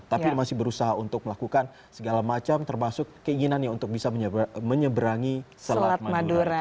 tapi masih berusaha untuk melakukan segala macam termasuk keinginannya untuk bisa menyeberangi selat madura